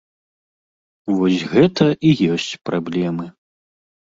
Вось гэта і ёсць праблемы.